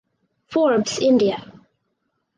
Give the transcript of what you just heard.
Forbes India.